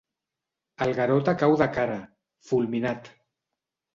El Garota cau de cara, fulminat.